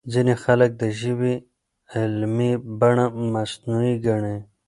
ځينې خلک د ژبې علمي بڼه مصنوعي ګڼي.